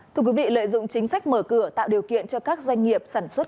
thưa quý vị lợi dụng chính sách mở cửa tạo điều kiện cho các doanh nghiệp sản xuất